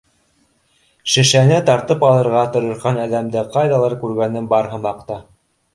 Шешәне тартып алырға тырышҡан әҙәмде ҡайҙалыр күргәнем бар һымаҡ та.